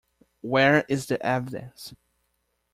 Where is the evidence?